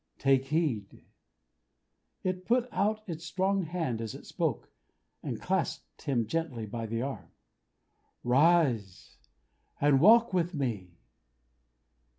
Take heed!" It put out its strong hand as it spoke, and clasped him gently by the arm. "Rise! and walk with me!"